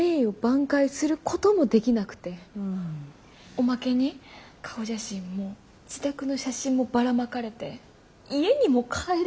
おまけに顔写真も自宅の写真もばらまかれて家にも帰れないって。